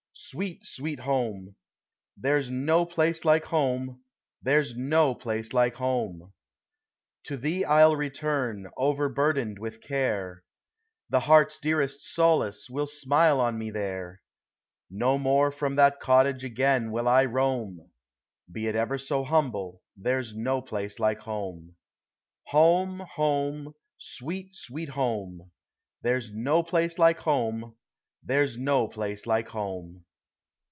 sweet, sweet Home! There 's no place like Home! there 's no place like Home ! To thee I '11 return, overburdened with care; The heart's dearest solace will smile on me there; No more from that cottage again will I roam; He it so ever so humble, there 's no place like home. Home ! Home ! sweet, sweet Home ! There 's no place like Home! there 's no place like Home